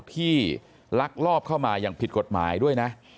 ลักลอบเข้ามาอย่างผิดกฎหมายด้วยนะ